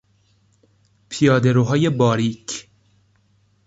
پیاده روهای باریک